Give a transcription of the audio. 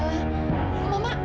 mama mama mau apaan sih